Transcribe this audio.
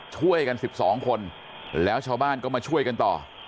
ช่วยกัน๑๒คนแล้วชาวบ้านก็มาช่วยกันต่อ